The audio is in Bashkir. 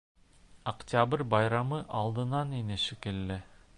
Октябрь байрамы алдынан ине шикелле.